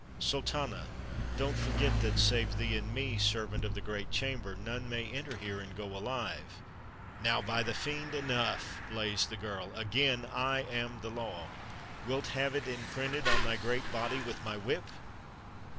"Sultana, don't forget that, save thee and me, servant of the great chamber, none may enter here and go alive?" "Now by the fiend, enough!" blazed the girl. "Again, I am the law! Wilt have it imprinted on thy great body with my whip?"